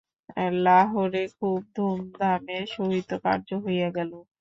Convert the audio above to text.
লাহোরে খুব ধুমধামের সহিত কার্য হইয়া গেল।